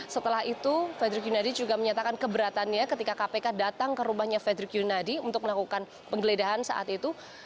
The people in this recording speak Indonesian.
setelah itu frederick yunadi juga menyatakan keberatannya ketika kpk datang ke rumahnya frederick yunadi untuk melakukan penggeledahan saat itu